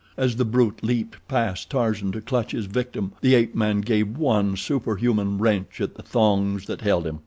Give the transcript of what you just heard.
As the brute leaped past Tarzan to clutch his victim, the ape man gave one superhuman wrench at the thongs that held him.